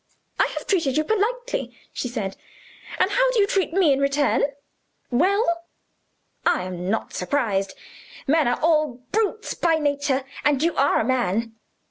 "I have treated you politely," she said, "and how do you treat me in return? Well! I am not surprised. Men are all brutes by nature and you are a man.